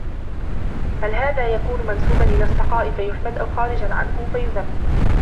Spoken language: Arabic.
هَذَا هَلْ يَكُونُ مَنْسُوبًا إلَى السَّخَاءِ فَيُحْمَدُ ، أَوْ خَارِجًا عَنْهُ فَيُذَمُّ